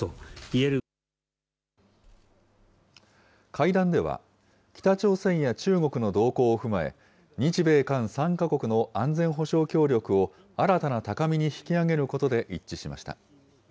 会談では、北朝鮮や中国の動向を踏まえ、日米韓３か国の安全保障協力を新たな高みに引き上げることで一致しました。